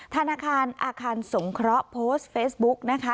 ธนาคารอาคารสงเคราะห์โพสต์เฟซบุ๊กนะคะ